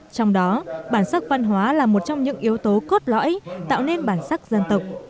trong đó bản sắc văn hóa là một trong những yếu tố cốt lõi tạo nên bản sắc dân tộc